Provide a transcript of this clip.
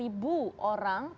tidak ada yang menyebar